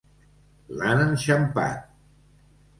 L'han enxampat!